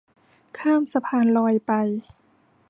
ข้ามสะพานลอยไป